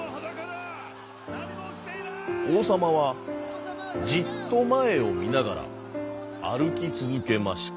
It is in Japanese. おうさまはじっとまえをみながらあるきつづけました。